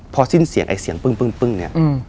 พอสิ้นเสียงไอ้เสียงปึ้งเนี่ย